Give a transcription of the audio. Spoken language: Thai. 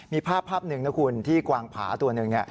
มีภาพหนึ่งนะคุณที่กวางผาตัวหนึ่ง